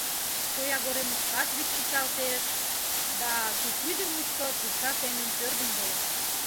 Шоягоремышкат вӱд чӱчалтеш да тупрӱдӧ мучко пурса семын пӧрдын вола.